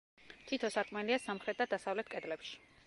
თითო სარკმელია სამხრეთ და დასავლეთ კედლებში.